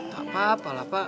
tak apa pak